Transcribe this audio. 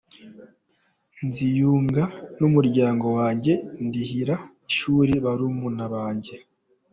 Nziyunga n’umuryango wanjye ndihira ishuri barumuna banjye.